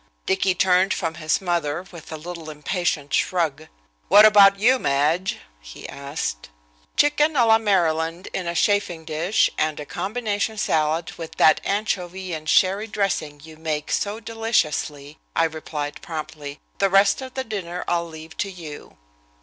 Dicky turned from his mother with a little impatient shrug. "What about you, Madge?" he asked. "Chicken a la Maryland in a chafing dish and a combination salad with that anchovy and sherry dressing you make so deliciously," I replied promptly. "The rest of the dinner I'll leave to you."